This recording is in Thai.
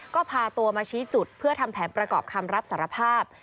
ก็พาตัวมาชี้จุดเพื่อทำแผนประกอบคำรับสารภาพ